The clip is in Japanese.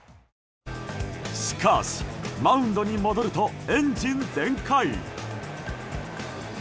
しかし、マウンドに戻るとエンジン全開。